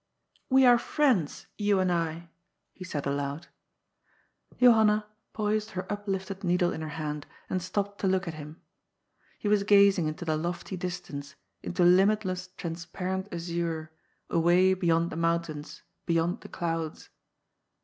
" We are friends, you and I," he said aloud. Johanna poised her uplifted needle in her hand, and stopped to look at him. He was gazing into the lofty dis tance, into limitless transparent azure, away beyond the mountains, beyond the clouds.